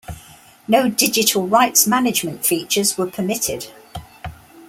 No digital rights management features were permitted.